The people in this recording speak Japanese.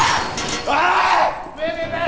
おい！